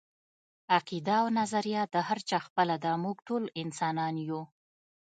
عقیده او نظريه د هر چا خپله ده، موږ ټول انسانان يو